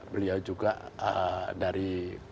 beliau juga dari